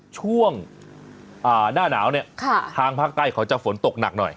ช่วงหน้าหนาวเนี่ยทางภาคใต้เขาจะฝนตกหนักหน่อย